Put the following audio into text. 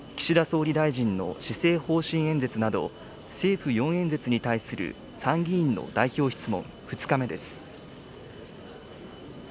岸田総理大臣の施政方針演説など、政府４演説に対する参議院の代表質問２日目です。